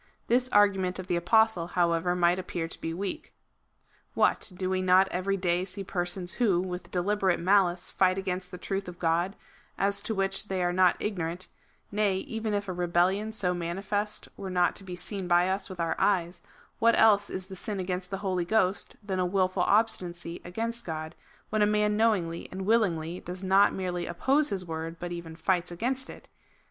This argument of the Apostle, how ever, might appear to be weak. " What ! do we not every day see persons who, with deliberate malice, fight against the truth of God, as to which they are not ignorant ; nay, even if a rebellion so manifest were not to be seen by us with our eyes, what else is the sin against the Holy Ghost than a wilful obstinacy against God, when a man knowingly and willingly does not merely oppose his word, but even fights against it.